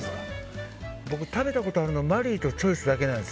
僕、食べたことあるのはマリーとチョイスだけです。